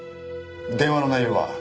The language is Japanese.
電話の内容は？